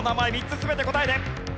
３つ全て答えて。